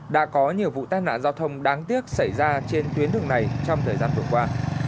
đã có nhiều vụ tai nạn giao thông đáng tiếc xảy ra trên tuyến đường này trong thời gian vừa qua